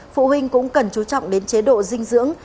phụ huynh cũng cần chú trọng đến chế độ dinh dưỡng